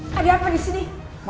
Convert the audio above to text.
bawa sekarang juga ke kamar nailah